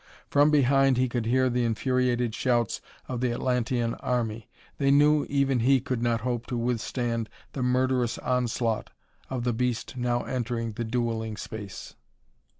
From behind he could hear the infuriated shouts of the Atlantean army. They knew even he could not hope to withstand the murderous onslaught of the beast now entering the duelling space.